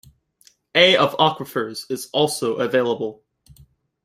A of aquifers is also available.